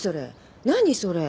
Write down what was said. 何それ？